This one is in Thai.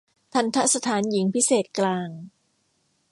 ทัณฑสถานหญิงพิเศษกลาง